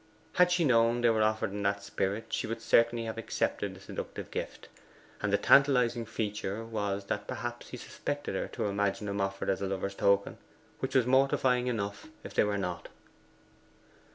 Had she known they were offered in that spirit, she would certainly have accepted the seductive gift. And the tantalizing feature was that perhaps he suspected her to imagine them offered as a lover's token, which was mortifying enough if they were not.